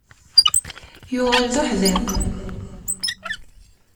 Yuɣal d uḥdiq.